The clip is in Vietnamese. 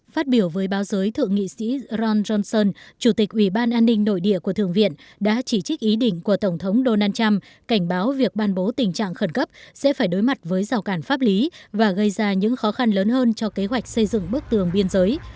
phát biểu với báo giới thượng nghị sĩ johnson chủ tịch ủy ban an ninh nội địa của thượng viện đã chỉ trích ý định của tổng thống donald trump cảnh báo việc ban bố tình trạng khẩn cấp sẽ phải đối mặt với rào cản pháp lý và gây ra những khó khăn lớn hơn cho kế hoạch xây dựng bức tường biên giới